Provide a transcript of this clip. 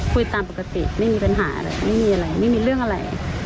คุยตามปกติไม่มีปัญหาเลยไม่มีอะไรไม่มีเรื่องอะไร